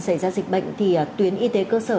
xảy ra dịch bệnh thì tuyến y tế cơ sở